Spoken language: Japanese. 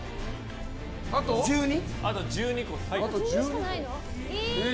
あと１２個です。